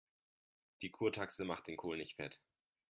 Die Kurtaxe macht den Kohl nicht fett.